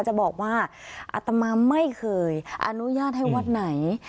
จะบอกว่าอัตมาไม่เคยอนุญาตให้วัดไหน